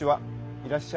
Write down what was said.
いらっしゃい。